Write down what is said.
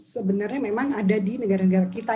sebenarnya memang ada di negara negara kita